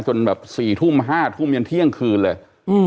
จนแบบ๔ทุ่ม๕ทุ่มยันเที่ยงคืนเลย